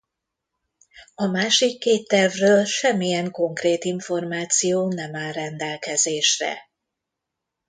A másik két tervről semmilyen konkrét információ nem áll rendelkezésre.